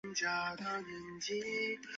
庄河源是台湾的漫画家。